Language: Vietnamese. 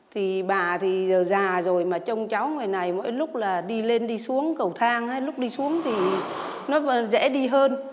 thì bà thì giờ già rồi mà trông cháu người này mỗi lúc là đi lên đi xuống cầu thang lúc đi xuống thì nó dễ đi hơn